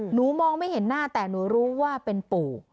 มองไม่เห็นหน้าแต่หนูรู้ว่าเป็นปู่